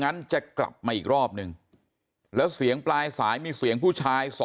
งั้นจะกลับมาอีกรอบนึงแล้วเสียงปลายสายมีเสียงผู้ชาย๒